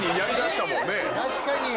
確かに！